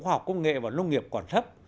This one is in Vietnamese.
khoa học công nghệ và nông nghiệp còn thấp